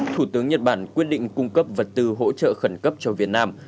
thủ tướng nhật bản quyết định cung cấp vật tư hỗ trợ khẩn cấp cho việt nam